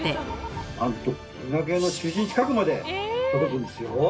なんと銀河系の中心近くまで届くんですよ。